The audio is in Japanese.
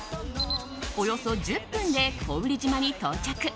およそ１０分で古宇利島に到着。